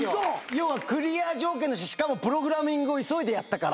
要はクリア条件としてしかもプログラミングを急いでやったから。